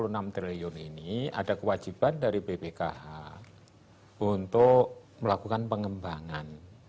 nah satu ratus enam puluh enam triliun ini ada kewajiban dari bpkh untuk melakukan pengembangan